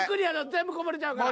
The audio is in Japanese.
全部こぼれちゃうから。